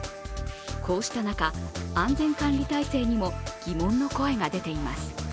こうした中、安全管理態勢にも疑問の声が出ています。